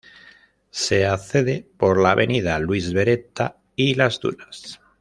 Se accede por la avenidas Luis Beretta y Las Dunas.